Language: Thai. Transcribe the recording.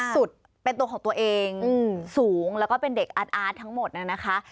สุดเป็นตัวของตัวเองสูงแล้วก็เป็นเด็กอาร์ตทั้งหมดนะคะ